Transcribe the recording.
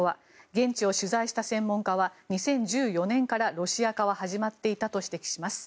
現地を取材した専門家は２０１４年からロシア化は始まっていたと指摘します。